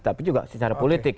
tapi juga secara politik